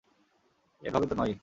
এভাবে তো নয়ই।